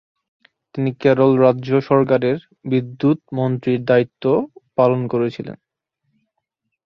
তিনি কেরল রাজ্য সরকারের বিদ্যুৎ মন্ত্রীর দায়িত্বও পালন করেছেন।